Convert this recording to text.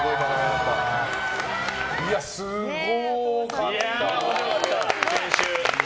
いや、すごかった。